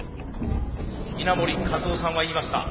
稲盛和夫さんは言いました。